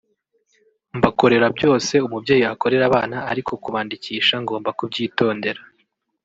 Mbakorera byose umubyeyi akorera abana ariko kubandikisha ngomba kubyitondera